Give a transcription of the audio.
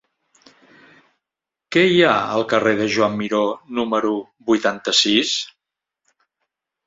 Què hi ha al carrer de Joan Miró número vuitanta-sis?